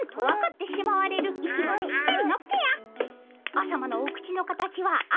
あさまのお口の形は「あ」。